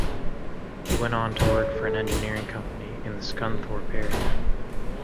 He went on to work for an engineering company in the Scunthorpe area.